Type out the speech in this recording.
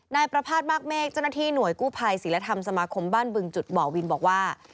นายประภาษณมากเมฆเจ้าหน้าที่หน่วยกู้ภัยศิลธรรมสมาคมบ้านบึงจุดบ่อวินบอกว่า